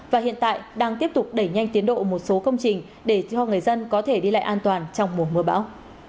và hiện tại đang tiếp tục đẩy nhanh tiến độ một số công trình để cho người dân có thể đi lại an toàn trong mùa mưa bão